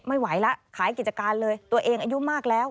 ไม่ไหวแล้วขายกิจการเลยตัวเองอายุมากแล้ว